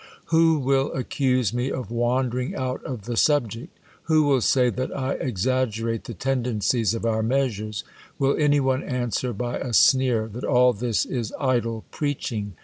Who will accuse me of wandering out of the subject ? Who v.ill say that I exaggerate the tendencies of our iheasures ? Will any one answer by a sneer, that all this is idle preaching